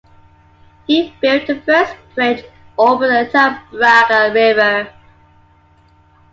He built the first bridge over the Talbragar River.